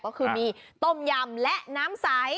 ก็คือมีต้มยำและน้ำใส